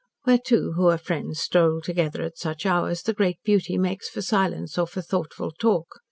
Where two who are friends stroll together at such hours, the great beauty makes for silence or for thoughtful talk.